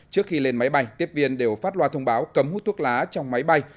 trước khi lên máy bay tiếp viên đều phát loa thông báo cấm hút thuốc lá trong máy bay